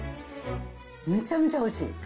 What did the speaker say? めちゃめちゃおいしい。